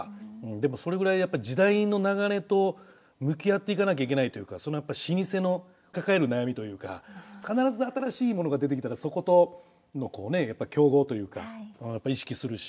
でもそれぐらいやっぱ時代の流れと向き合っていかなきゃいけないというかやっぱ老舗の抱える悩みというか必ず新しいものが出てきたらそことのこうね競合というか意識するし。